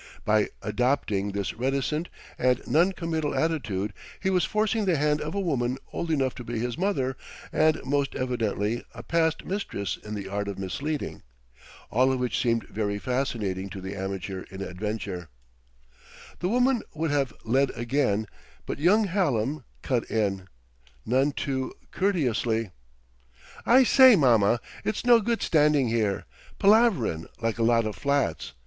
By adopting this reticent and non committal attitude, he was forcing the hand of a woman old enough to be his mother and most evidently a past mistress in the art of misleading. All of which seemed very fascinating to the amateur in adventure. The woman would have led again, but young Hallam cut in, none too courteously. "I say, Mamma, it's no good standing here, palaverin' like a lot of flats.